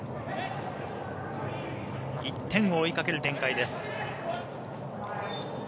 １点を追いかける展開です。